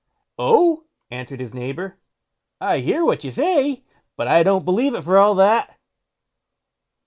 "Oh!" answered his neighbour, "I hear what you say, but I don't believe it for all that."